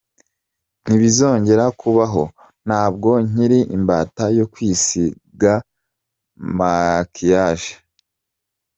Ntibizongera kubaho, ntabwo nkiri imbata yo kwisiga makiyaje.